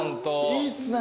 いいっすね。